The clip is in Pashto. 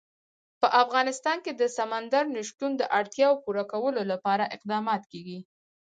په افغانستان کې د سمندر نه شتون د اړتیاوو پوره کولو لپاره اقدامات کېږي.